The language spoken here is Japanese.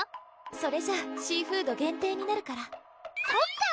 それじゃシーフード限定になるからそっか！